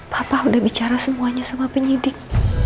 papa udah bicara semuanya sama penyidik